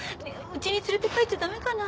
うちに連れて帰っちゃだめかな？